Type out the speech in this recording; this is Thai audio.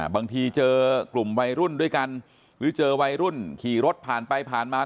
บางทีเจอกลุ่มวัยรุ่นด้วยกันหรือเจอวัยรุ่นขี่รถผ่านไปผ่านมา